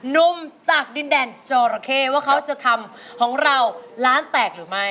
นุ่มจากดินแดนจอระเข้ว่าเขาจะทำของเราร้านแตกหรือไม่